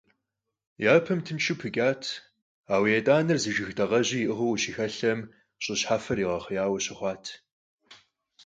Япэм тыншу пыкӀат, ауэ етӀуанэр зы жыг дакъэжьи иӀыгъыу къащыхэлъэм, щӀы щхьэфэр игъэхъеяуэ къащыхъуат.